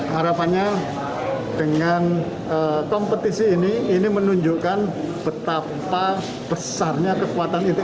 harapannya dengan kompetisi ini ini menunjukkan betapa besarnya kekuatan itu